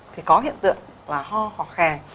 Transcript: thì có hiện tượng là ho ho khe